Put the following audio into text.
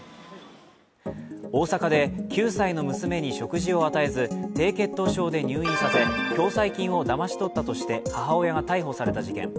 大阪で９歳の娘に食事を与えず、低血糖症で入院させ共済金をだまし取ったとして母親が逮捕された事件。